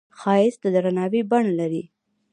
ښایست د درناوي بڼه لري